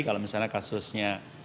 kalau misalnya kasusnya